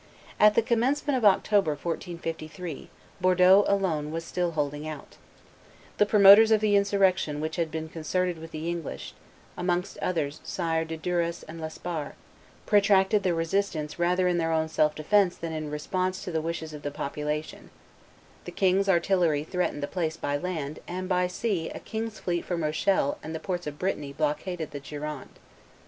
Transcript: At the commencement of October, 1453, Bordeaux alone was still holding out. The promoters of the insurrection which had been concerted with the English, amongst others Sires de Duras and de Lesparre, protracted the resistance rather in their own self defence than in response to the wishes of the population; the king's artillery threatened the place by land, and by sea a king's fleet from Rochelle and the ports of Brittany blockaded the Gironde.